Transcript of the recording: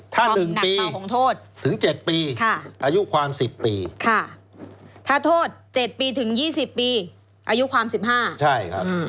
ถ้า๑ปีถึง๗ปีอายุความ๑๐ปีถ้าโทษ๗ปีถึง๒๐ปีอายุความ๑๕ใช่ครับ